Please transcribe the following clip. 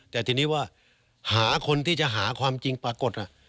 แต่ทีนี้ว่าหาคนที่จะหาความจริงปรากฏ